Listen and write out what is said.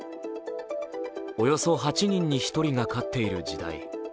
およそ８人に１人が飼っている時代。